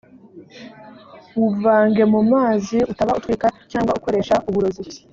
wuvange mu mazi utaba utwika cyangwa ukoresha uburozi